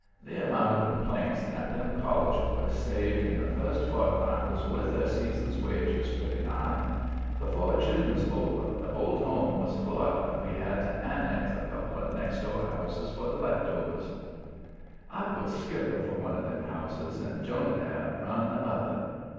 The amount of complaints that them college boys saved in the first fortnight was worth their season's wages, pretty nigh. Before June was over the Old Home was full up and we had to annex a couple of next door houses for the left overs. I was skipper for one of them houses, and Jonadab run the other.